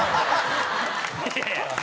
いやいや。